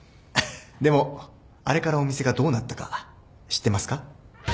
でもあれからお店がどうなったか知ってますか？